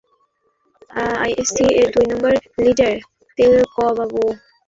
ISC এর দুই number leader, তেল ক আবু উসমানের পর তিনি দ্বিতীয় কমান্ড।